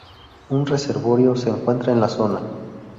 Un reservorio se encuentra en la zona.